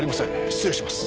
失礼します。